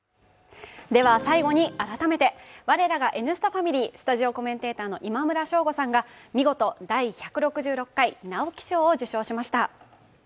最後に改めて、我らが「Ｎスタ」ファミリースタジオコメンテーターの今村翔吾さんが見事、第１６６回直木賞を受賞しました。